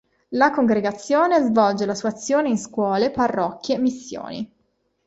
La congregazione svolge la sua azione in scuole, parrocchie, missioni.